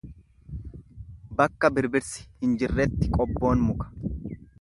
Bakka birbirsi hin jirretti qobboon muka.